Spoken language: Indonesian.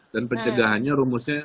dan pencegahannya rumusnya